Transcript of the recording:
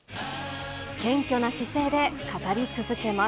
謙虚な姿勢で語り続けます。